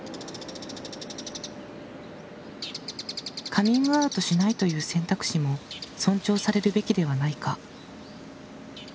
「カミングアウトしないという選択肢も尊重されるべきではないか？」。